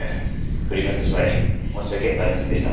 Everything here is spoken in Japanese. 振り回してしまい申し訳ありませんでした。